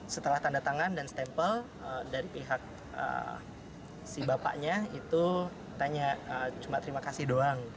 setelah tanda tangan dan stempel dari pihak si bapaknya itu tanya cuma terima kasih doang